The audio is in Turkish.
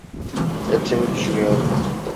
Hep seni düşünüyorum.